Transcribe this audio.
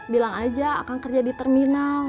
bilang aja akan kerja di terminal